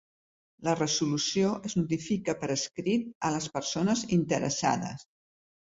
La resolució es notifica per escrit a les persones interessades.